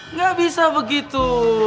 enggak bisa begitu